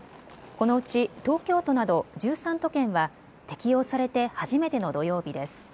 このうち東京都など１３都県は適用されて初めての土曜日です。